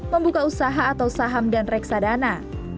membuka usaha atau saham dan reksa dana